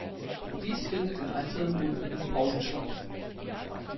Dies findet in einzelnen Runden mit Pausen statt.